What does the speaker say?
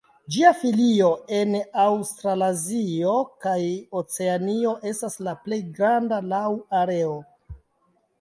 Ĝia filio en Aŭstralazio kaj Oceanio estas la plej granda laŭ areo.